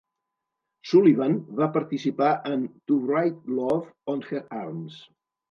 Sullivan va participar en "To Write Love on Her Arms".